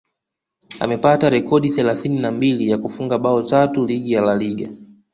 amepata rekodi thelathini na mbili ya kufunga bao tatu ligi ya La Liga